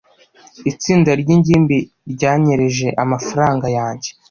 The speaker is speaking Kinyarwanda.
itsinda ryingimbi ryanyereje amafaranga yanjye